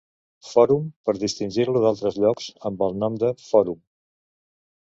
Fòrum" per distingir-lo d'altres llocs amb el nom de "Fòrum".